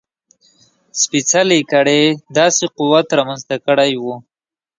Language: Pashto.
سپېڅلې کړۍ داسې قوت رامنځته کړی و.